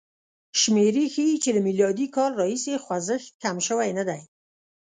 شمېرې ښيي چې له م کال راهیسې خوځښت کم شوی نه دی.